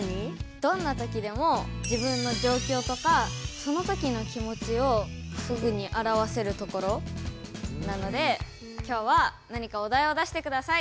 どんな時でも自分のじょうきょうとかその時の気持ちをすぐにあらわせるところなので今日は何かお題を出してください。